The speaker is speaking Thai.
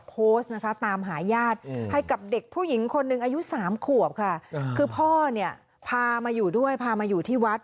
โพสต์นะคะตามหาญาติให้กับเด็กผู้หญิงคนหนึ่งอายุ๓ขวบค่ะคือพ่อเนี่ยพามาอยู่ด้วยพามาอยู่ที่วัด